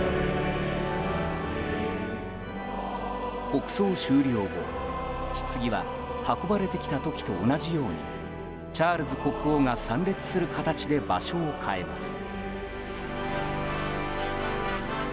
国葬終了後、ひつぎは運ばれてきた時と同じようにチャールズ国王が参列する形で場所を変えます。